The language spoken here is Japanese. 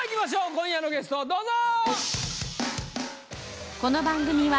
今夜のゲストどうぞ！